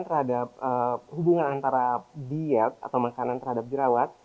terhadap hubungan antara diet atau makanan terhadap jerawat